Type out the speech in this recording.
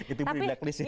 itu blacklist ya